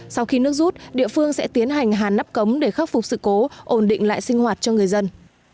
sau khi nước rút địa phương sẽ tiến hành hàn nắp cống để khắc phục sự cố ổn định lại sinh hoạt cho người dân